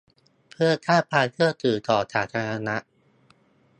เพื่อสร้างความเชื่อถือต่อสาธารณะ